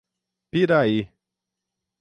Piraí